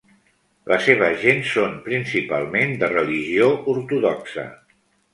La seva gent són principalment de religió ortodoxa.